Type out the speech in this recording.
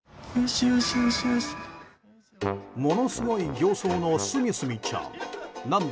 ものすごい形相のすみすみちゃん。